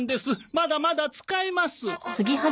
まだまだ使えます。